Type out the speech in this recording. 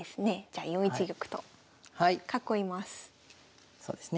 じゃあ４一玉と囲います。